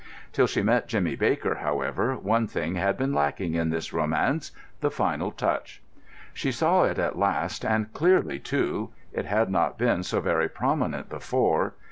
Till she met Jimmy Baker, however, one thing had been lacking in this romance—the final touch. She saw it at last, and clearly too; it had not been so very prominent before.